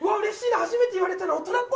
初めて言われた。